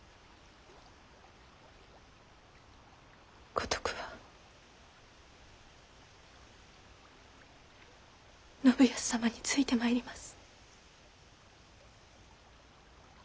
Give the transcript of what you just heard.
五徳は信康様についてまいります。